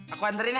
aku anterin ya